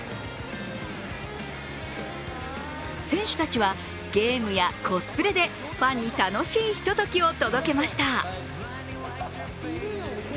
選手たちは、ゲームやコスプレでファンに楽しいひとときを届けました。